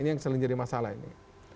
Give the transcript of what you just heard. ini yang sering jadi masalah ini